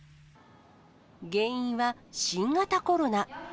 原因は、新型コロナ。